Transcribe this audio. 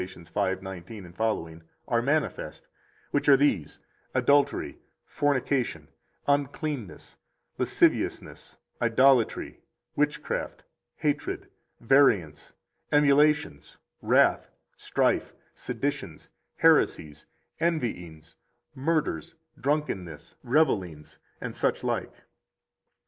5:19ff ]) are manifest, which are these: Adultery, fornication, uncleanness, lasciviousness, idolatry, witchcraft, hatred, variance, emulations, wrath, strife, seditions, heresies, envyings, murders, drunkenness, revelings, and such like.